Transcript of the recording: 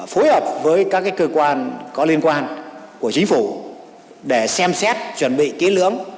phối hợp với các cơ quan có liên quan của chính phủ để xem xét chuẩn bị kỹ lưỡng